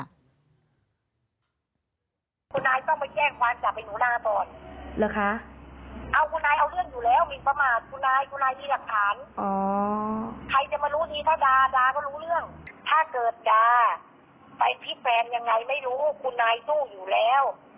คุณนายสู้อยู่แล้ว